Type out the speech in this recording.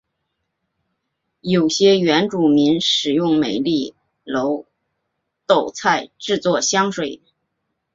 有些原住民使用美丽耧斗菜制作香水。